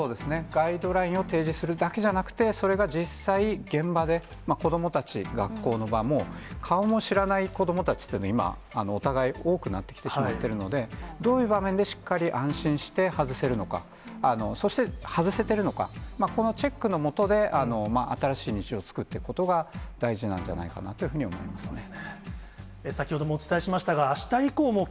ガイドラインを提示するだけじゃなくて、それが実際、現場で子どもたち、学校の場も顔も知らない子どもたちというの、今、お互い多くなってきてしまっているので、どういう場面でしっかり安心して外せるのか、そして外せてるのか、このチェックのもとで、新しい日常を作っていくことが、大事なんじゃないかなというふうに思いますね。